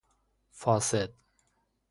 فاسد